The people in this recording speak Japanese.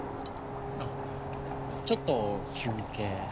あっちょっと休憩。